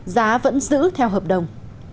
giá vẫn giữ theo hợp đồng